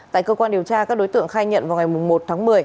tại cơ quan điều tra các đối tượng khai nhận vào ngày một tháng một mươi